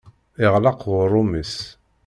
Iɛelleq uɣrum-is.